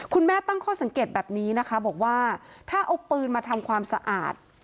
ตั้งข้อสังเกตแบบนี้นะคะบอกว่าถ้าเอาปืนมาทำความสะอาด